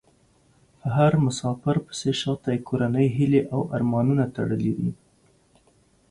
په هر مسافر پسې شا ته د کورنۍ هيلې او ارمانونه تړلي دي .